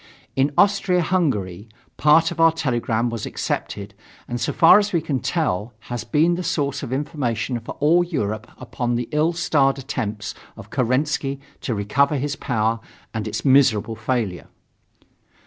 In Austria Hungary, part of our telegram was accepted and, so far as we can tell, has been the source of information for all Europe upon the ill starred attempt of Kerensky to recover his power and its miserable failure.